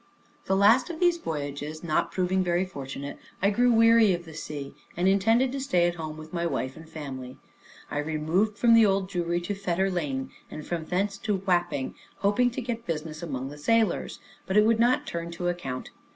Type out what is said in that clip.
The last of these voyages not proving very fortunate, I grew weary of the sea, and intended to stay at home with my wife and family. I removed from the Old Jewry to Fetter Lane, and from thence to Wapping, hoping to get business among the sailors; but it would not turn to account.